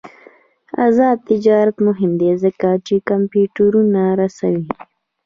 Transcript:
آزاد تجارت مهم دی ځکه چې کمپیوټرونه رسوي.